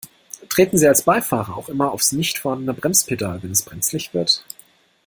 Treten Sie als Beifahrer auch immer aufs nicht vorhandene Bremspedal, wenn es brenzlig wird?